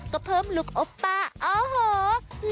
ก็เพิ่มลุคโอปป้าโอ้โห